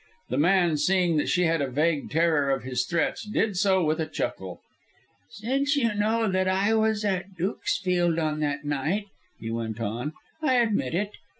The man, seeing that she had a vague terror of his threats, did so with a chuckle. "Since you know that I was at Dukesfield on that night," he went on, "I admit it.